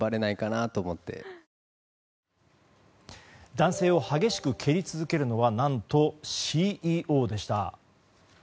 男性を激しく蹴り続けるのは何と、ＣＥＯでした。